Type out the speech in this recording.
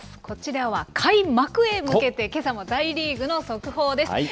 こちらは開幕へ向けて、けさも大リーグの速報です。